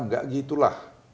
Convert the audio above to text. enggak gitu lah